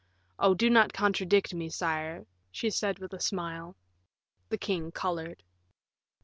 Oh! do not contradict me, sire," she said, with a smile. The king colored.